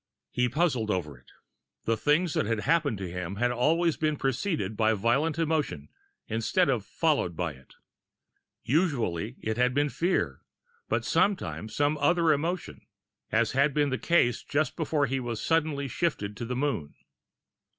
He puzzled over it. The things that had happened to him had always been preceded by violent emotion, instead of followed by it. Usually, it had been fear but sometimes some other emotion, as had been the case just before he was suddenly shifted to the Moon.